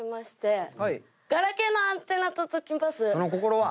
その心は？